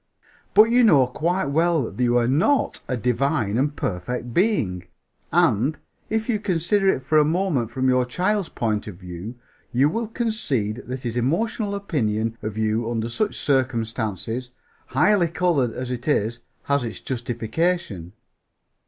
"But you know quite well that you are not a Divine and Perfect Being, and, if you consider it for a moment from the child's point of view, you will concede that his emotional opinion of you under such circumstances, highly colored as it is, has its justification.